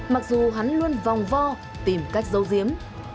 mặc dù hắn luôn vòng vo tìm cách giấu giếm